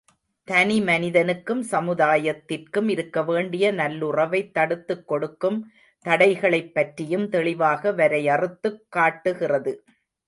தனி மனிதனுக்கும் சமுதாயத்திற்கும் இருக்க வேண்டிய நல்லுறவைத் தடுத்துக் கெடுக்கும் தடைகளைப் பற்றியும் தெளிவாக வரையறுத்துக் காட்டுகிறது.